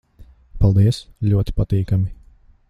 Paldies. Ļoti patīkami...